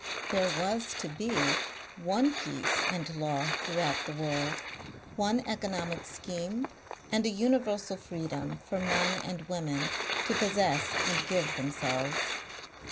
There was to be one peace and law throughout the world, one economic scheme and a universal freedom for men and women to possess and give themselves.